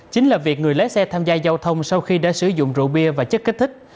chính là việc người lái xe tham gia giao thông sau khi đã sử dụng rượu bia và chất kích thích